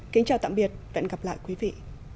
kính chào tạm biệt và hẹn gặp lại quý vị